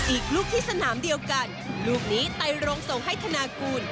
อีกลูกที่สนามเดียวกันลูกนี้ไตรงส่งให้ธนากูล